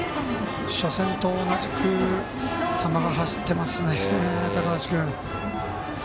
初戦と同じく球が走ってますね、高橋君。